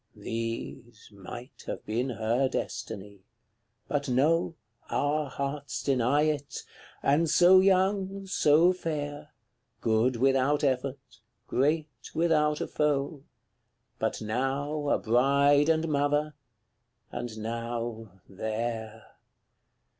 These might have been her destiny; but no, Our hearts deny it: and so young, so fair, Good without effort, great without a foe; But now a bride and mother and now THERE!